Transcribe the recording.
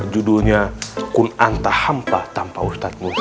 judulnya kunanta hampa tanpa ustadz musa